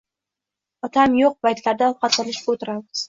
Otam yo'q paytlarda ovqatlanishga o'tiramiz.